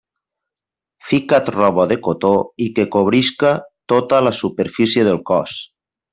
Fica't roba de cotó i que cobrisca tota la superfície del cos.